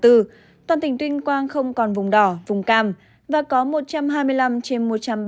toàn tỉnh tuyên quang không còn vùng đỏ vùng cam và có một trăm hai mươi năm trên một trăm ba mươi